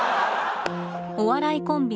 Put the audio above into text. お笑いコンビ